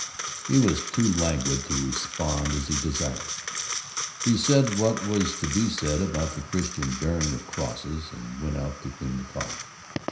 He was too languid to respond as he desired. He said what was to be said about the Christian bearing of crosses, and went out to clean the car.